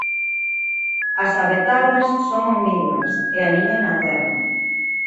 As avetardas son omnívoras e aniñan na terra.